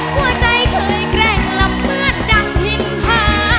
หัวใจเคยแกร่งลำเปื้อนดังถิ่นขา